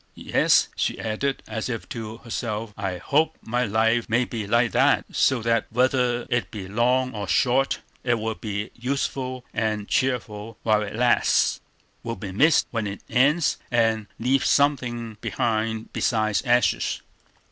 Yes," she added, as if to herself, "I hope my life may be like that, so that, whether it be long or short, it will be useful and cheerful while it lasts, will be missed when it ends, and leave something behind besides ashes."